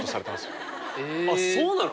あっそうなの？